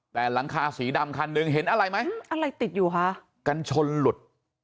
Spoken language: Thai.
แต่หลังคาสีดำคันหนึ่งเห็นอะไรไหมอะไรติดอยู่คะกันชนหลุด